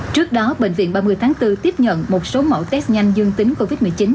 trước đó bệnh viện ba mươi tháng bốn tiếp nhận một số mẫu test nhanh dương tính covid một mươi chín